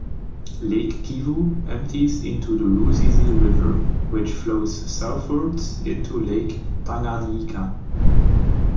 Lake Kivu empties into the Ruzizi River, which flows southwards into Lake Tanganyika.